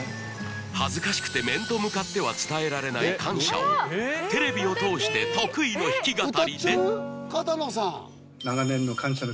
恥ずかしくて面と向かっては伝えられない感謝をテレビを通して得意の弾き語りで歌っちゃう？